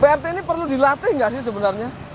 prt ini perlu dilatih nggak sih sebenarnya